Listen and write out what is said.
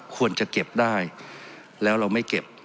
ควรจะเก็บได้แล้วเราไม่เก็บ